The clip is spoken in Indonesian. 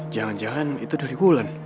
jangan jangan itu dari wulan